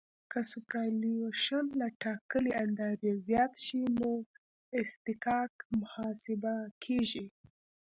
که سوپرایلیویشن له ټاکلې اندازې زیات شي نو اصطکاک محاسبه کیږي